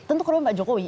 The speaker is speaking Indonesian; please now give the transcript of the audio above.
tentu korban pak jokowi